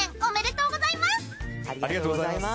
ありがとうございます。